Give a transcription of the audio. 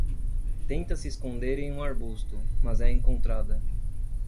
Tenta se esconder em um arbusto, mas é encontrada